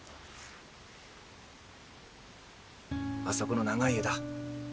あそこの長い枝。